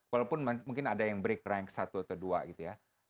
walaupun mungkin ada yang break rank satu atau dua gitu ya